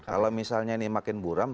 kalau misalnya ini makin buram